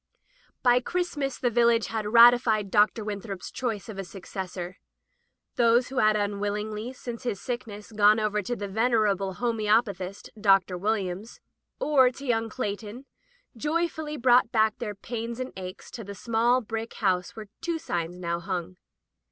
By Christmas the village had ratified Dr. Winthrop's choice of a successor. Those who had unwillingly, since his sickness, gone over to the venerable homoeopathist. Dr. Williams, or to young Cleighton, joyfully brought back their pains and aches to the small brick house where two signs now hung.